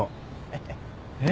えっ？